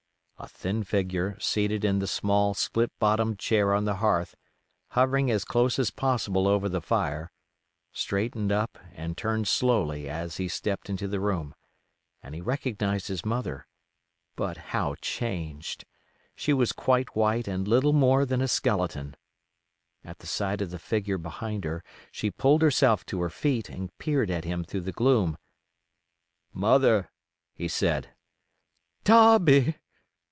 A thin figure seated in the small split bottomed chair on the hearth, hovering as close as possible over the fire, straightened up and turned slowly as he stepped into the room, and he recognized his mother—but how changed! She was quite white and little more than a skeleton. At sight of the figure behind her she pulled herself to her feet, and peered at him through the gloom. "Mother!" he said. "Darby!"